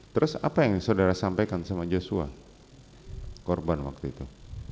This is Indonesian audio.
terus apa yang saudara sampaikan sama joshua korban waktu itu